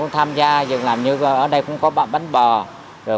tham gia giường làm như ở đây cũng có bánh bò